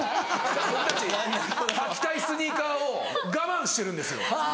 僕たち履きたいスニーカーを我慢してるんですよ。